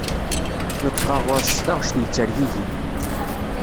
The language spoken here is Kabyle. Neṭqeɣ ɣer-s s taɣect yettergigin.